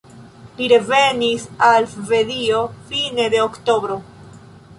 Li revenis al Svedio fine de oktobro.